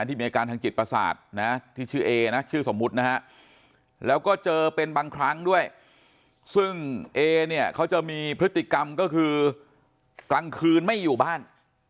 มีอาการทางจิตประสาทนะที่ชื่อเอนะชื่อสมมุตินะฮะแล้วก็เจอเป็นบางครั้งด้วยซึ่งเอเนี่ยเขาจะมีพฤติกรรมก็คือกลางคืนไม่อยู่บ้าน